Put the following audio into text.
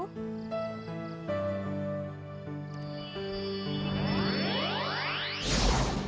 nanti aku akan mencari